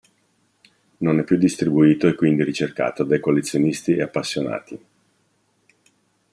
Non è più distribuito e quindi ricercato dai collezionisti e appassionati.